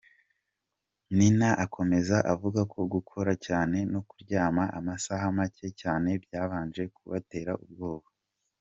Nina akomeza avuga ko gukora cyane no kuryama amasaha make cyane byabanje kubatera ubwoba.